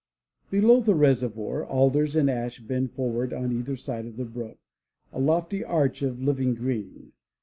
Below the reservoir, alders and ash bend forward on either side of the brook, a lofty arch of living green.